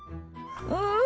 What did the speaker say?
うん！